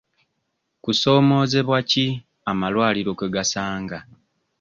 Kusoomozebwa ki amalwaliro kwe gasanga?